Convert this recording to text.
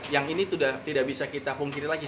yang ini sudah tidak bisa kita pungkiri lagi